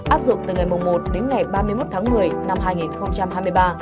áp dụng từ ngày một đến ngày ba mươi một tháng một mươi năm hai nghìn hai mươi ba